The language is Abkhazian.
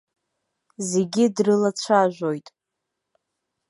Зегьы дрылацәажәоит.